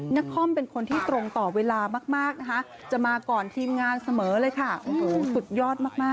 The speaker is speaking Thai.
นครเป็นคนที่ตรงต่อเวลามากนะคะจะมาก่อนทีมงานเสมอเลยค่ะสุดยอดมาก